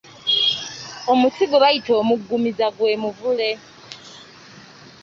Omuti gwe bayita omuggumiza gwe muvule.